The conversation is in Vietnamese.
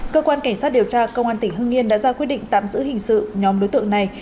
cơ quan cảnh sát điều tra công an tỉnh hưng yên đã ra quyết định tạm giữ hình sự nhóm đối tượng này